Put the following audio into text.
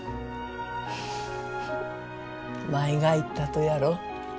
舞が言ったとやろ